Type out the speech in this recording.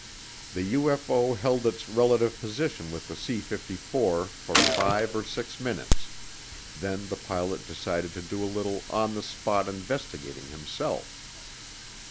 The UFO held its relative position with the C 54 for five or six minutes; then the pilot decided to do a little on the spot investigating himself.